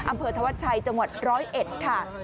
อำเภอธวัชชัยจังหวัด๑๐๑ค่ะ